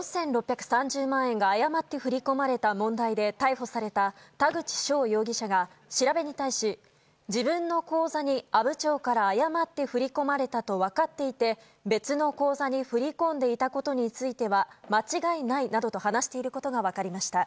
４６３０万円が誤って振り込まれた問題で逮捕された田口翔容疑者が調べに対し自分の口座に阿武町から誤って振り込まれたと分かっていて別の口座に振り込んでいたことについては間違いないなどと話していることが分かりました。